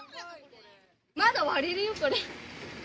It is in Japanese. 窓割れるよ、これ。